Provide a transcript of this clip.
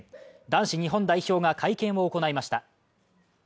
男子日本代表が会見を行いました。